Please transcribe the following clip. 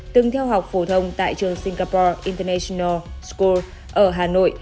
từng theo học phổ thông tại trường singapore international score ở hà nội